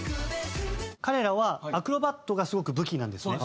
彼らはアクロバットがすごく武器なんですね。